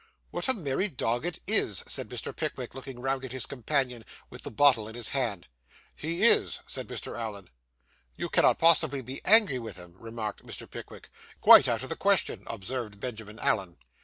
'What a merry dog it is!' said Mr. Pickwick, looking round at his companion, with the bottle in his hand. 'He is,' said Mr. Allen. 'You cannot possibly be angry with him,' remarked Mr. Pickwick. 'Quite out of the question,' observed Benjamin Allen.